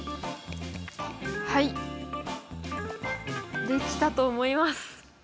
はいできたと思います。